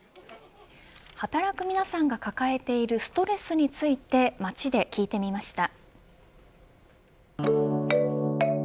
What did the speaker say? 働く皆さんが抱えているストレスについて街で聞いてみました。